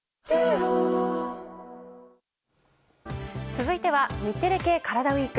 続いては日テレ系カラダＷＥＥＫ。